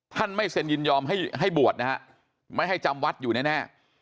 ไม่เซ็นยินยอมให้บวชนะฮะไม่ให้จำวัดอยู่แน่